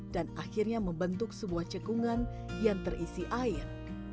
dan akhirnya membentuk sebuah cekungan yang terisi air